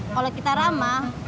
kalau kita ramah